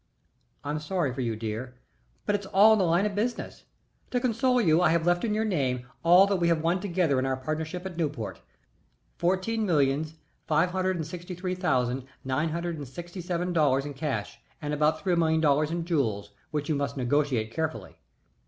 I'm sorry for you, dear, but it's all in the line of business. To console you I have left in your name all that we have won together in our partnership at Newport fourteen millions five hundred and sixty three thousand nine hundred and seventy seven dollars in cash, and about three million dollars in jewels, which you must negotiate carefully.